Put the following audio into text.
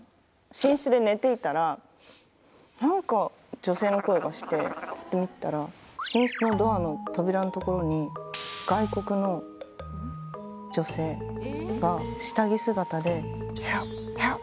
寝室で寝ていたら何か女性の声がしてぱっと見たら寝室のドアの扉の所に外国の女性が下着姿で。